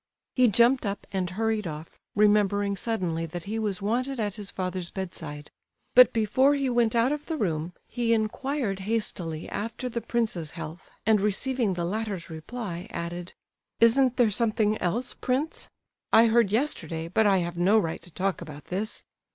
He jumped up and hurried off, remembering suddenly that he was wanted at his father's bedside; but before he went out of the room he inquired hastily after the prince's health, and receiving the latter's reply, added: "Isn't there something else, prince? I heard yesterday, but I have no right to talk about this...